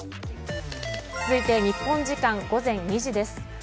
続いて日本時間午前２時です。